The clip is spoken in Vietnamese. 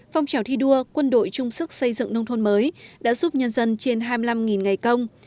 phong trào thi đua quân đội trung sức xây dựng nông thôn mới đã giúp nhân dân trên hai mươi năm ngày công